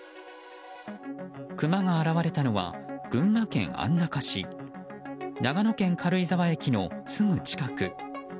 クマが現れたのは群馬県安中市長野県軽井沢駅のすぐ近く。